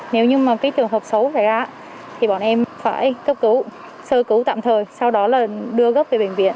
nếu như trường hợp xấu xảy ra thì bọn em phải cấp cứu sơ cứu tạm thời sau đó đưa gấp về bệnh viện